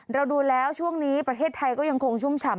เราดูแล้วช่วงนี้ประเทศไทยก็ยังคงชุ่มฉ่ำ